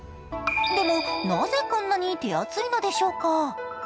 でもなぜこんなに手厚いのでしょうか？